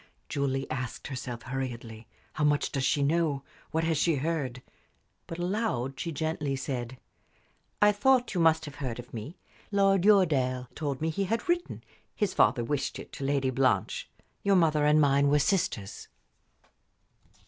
Julie asked herself, hurriedly: "How much does she know? What has she heard?" But aloud she gently said: "I thought you must have heard of me. Lord Uredale told me he had written his father wished it to Lady Blanche. Your mother and mine were sisters."